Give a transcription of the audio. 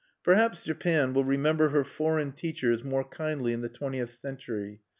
Perhaps Japan will remember her foreign teachers more kindly in the twentieth century.